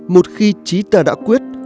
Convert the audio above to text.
một khi trí ta đã quyết